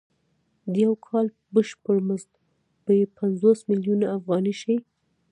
د یو کال بشپړ مزد به یې پنځوس میلیونه افغانۍ شي